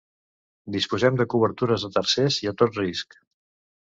Disposem de cobertures a tercers i a tot risc.